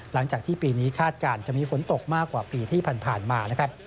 หลังจากที่ปีนี้คาดการณ์จะมีฝนตกมากกว่าปีที่ผ่านมานะครับ